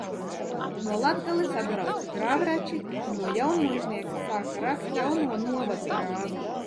No Latgales atbrauca grāvrači un no Jaunmuižnieka sāka rakt jauno novadgrāvi.